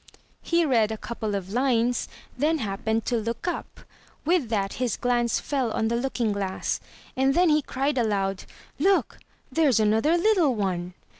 He read a couple of lines, then happened to look up. With that his glance fell on the looking glass; and then he cried aloud: "Look! There's another little one."